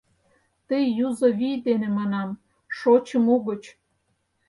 Ты юзо вий дене, манам, шочым угыч.